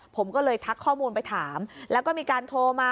ผมก็เลยทักข้อมูลไปถามแล้วก็มีการโทรมา